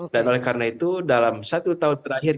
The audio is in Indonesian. dan oleh karena itu dalam satu tahun terakhir